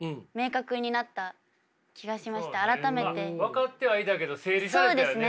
分かってはいたけど整理されたよね。